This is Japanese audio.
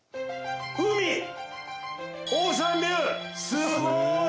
すごい。